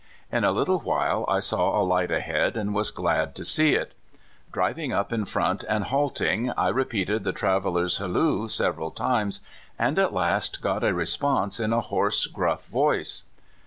In a little while I saw a light ahead, and was glad to see it. Driving up in front and halt ing, I repeated the traveler's "Halloo" several times, and at last got a response in a hoarse, gruff voice.